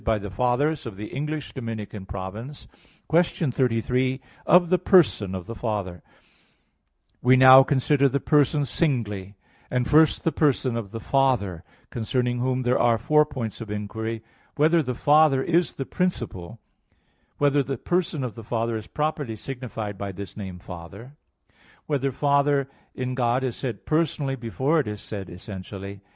_______________________ QUESTION 33 OF THE PERSON OF THE FATHER (In Four Articles) We now consider the persons singly; and first, the Person of the Father, concerning Whom there are four points of inquiry: (1) Whether the Father is the Principle? (2) Whether the person of the Father is properly signified by this name "Father"? (3) Whether "Father" in God is said personally before it is said essentially?